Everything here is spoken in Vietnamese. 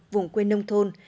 vùng quê nông thôn